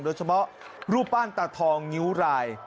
โดยเฉพาะรูปบ้านตาทองนิ้วราย